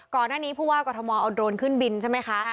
ก่อนหน้านี้ผู้ว่ากรทมเอาโดรนขึ้นบินใช่ไหมคะ